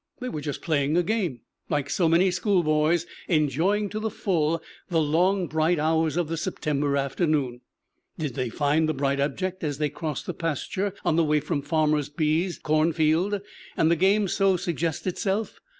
They were just playing a game, like so many schoolboys, enjoying to the full the long bright hours of the September afternoon. Did they find the bright object as they crossed the pasture on the way from Farmer B's corn field, and the game so suggest itself?